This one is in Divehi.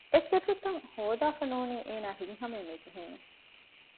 އެސިއްރުތައް ހޯދާފަ ނޫނީ އޭނާ ހިތް ހަމައެއް ނުޖެހޭނެ